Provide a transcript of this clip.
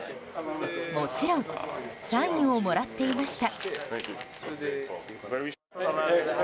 もちろんサインをもらっていました。